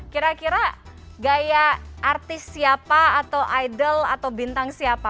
kira kira gaya artis siapa atau idol atau bintang siapa